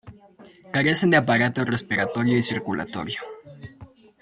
Carecen de aparato respiratorio y circulatorio.